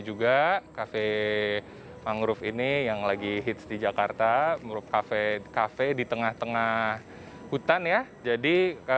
juga kafe mangrove ini yang lagi hits di jakarta merupakan kafe kafe di tengah tengah hutan ya jadi